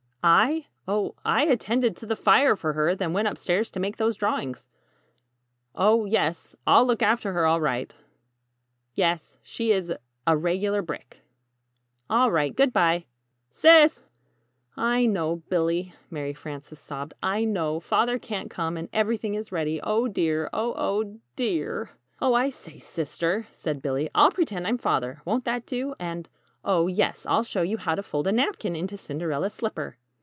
"I? Oh, I attended to the fire for her, then went upstairs to make those drawings." "Oh, yes; I'll look after her, all right." "Yes, she is a regular 'brick!'" "All right. Good bye!" "Sis!" [Illustration: "Hello!"] "I know, Billy," Mary Frances sobbed. "I know! Father can't come, and everything is ready. Oh, dear! Oh, oh, de ar!" "Oh, I say, Sister," said Billy; "I'll pretend I'm Father won't that do? And oh, yes! I'll show you how to fold a napkin into 'Cinderella's slipper!'"